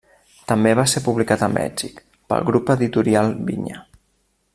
També va ser publicat a Mèxic pel grup Editorial Vinya.